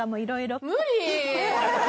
無理！